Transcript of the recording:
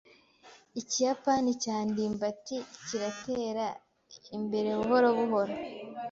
Ikiyapani cya ndimbati kiratera imbere buhoro buhoro.